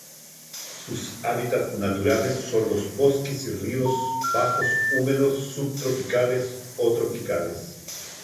Sus hábitats naturales son los bosques y ríos bajos húmedos subtropicales o tropicales.